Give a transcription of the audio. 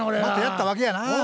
またやったわけやな。